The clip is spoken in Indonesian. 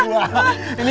botol kecap gue disini